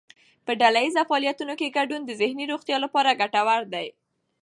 په ډلهییز فعالیتونو کې ګډون د ذهني روغتیا لپاره ګټور دی.